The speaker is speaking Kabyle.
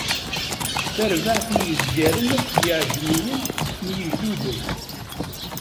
Tarbaɛt n yizgaren akked yiɛejmiyen n yigduden.